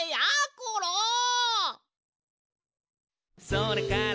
「それから」